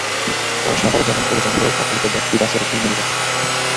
তাঁরা সাভার যাবেন বলে জানালেও কাকলীতে ব্যাগটি বাসে রেখেই নেমে যান।